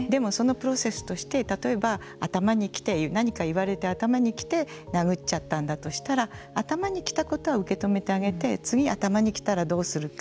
でも、そのプロセスとして例えば頭にきて何か言われて頭にきて殴っちゃったんだとしたら頭にきたことは受け止めてあげて次、頭にきたらどうするか。